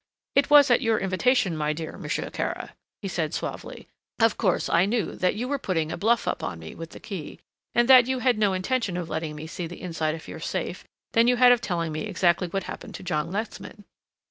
"It was at your invitation, my dear Monsieur Kara," he said suavely. "Of course I knew that you were putting a bluff up on me with the key and that you had no more intention of letting me see the inside of your safe than you had of telling me exactly what happened to John Lexman."